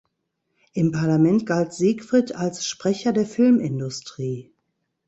Im Parlament galt Siegfried als Sprecher der Filmindustrie.